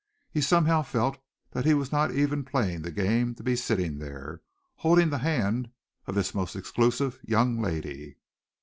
He somehow felt that he was not even playing the game to be sitting there, holding the hand of this most exclusive young lady.